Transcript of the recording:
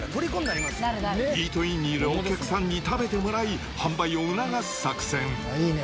イートインにいるお客さんに食べてもらい、販売を促す作戦。